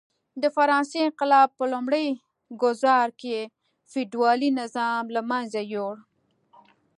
د فرانسې انقلاب په لومړي ګوزار کې فیوډالي نظام له منځه یووړ.